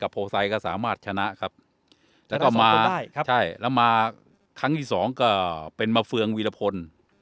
โพไซดก็สามารถชนะครับแล้วก็มาได้ครับใช่แล้วมาครั้งที่สองก็เป็นมาเฟืองวีรพล